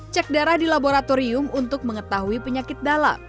cek darah di laboratorium untuk mengetahui penyakit dalam